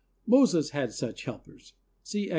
Moses had such helpers. (See Ex.